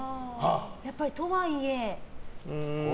やっぱり、とはいえ。